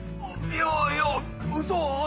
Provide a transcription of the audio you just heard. いやいやウソ。